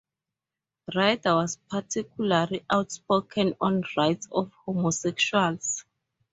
Ryder was particularly outspoken on rights of homosexuals.